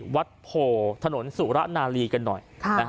วัดโพถนนสุรนาลีกันหน่อย